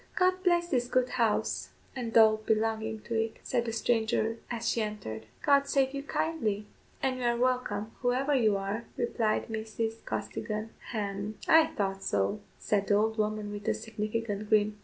"God bless this good house and all belonging to it," said the stranger as she entered. "God save you kindly, and you are welcome, whoever you are," replied Mrs. Costigan. "Hem, I thought so," said the old woman with a significant grin.